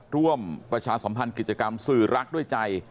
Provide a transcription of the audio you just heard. ร่วมประชาสมภัณฑ์กิจกรรมสื่อรักด้วยใจ